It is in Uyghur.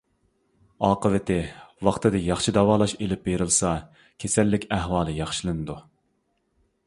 ئاقىۋىتى ۋاقتىدا ياخشى داۋالاش ئېلىپ بېرىلسا، كېسەللىك ئەھۋالى ياخشىلىنىدۇ.